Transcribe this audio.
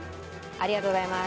ありがとうございます。